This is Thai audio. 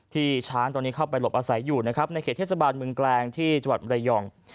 ที่ช้างตอนนี้เข้าไปหลบอาศัยอยู่นะครับในเขตเทศบาลเมืองแกลงที่จังหวัดมรยอง